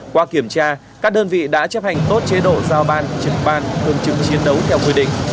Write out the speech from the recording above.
qua kiểm tra các đơn vị đã chấp hành tốt chế độ giao ban trực ban thường trực chiến đấu theo quy định